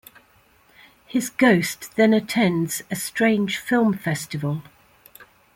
His ghost then attends a strange film festival.